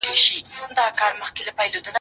ترېنه وغواړه لمن كي غيرانونه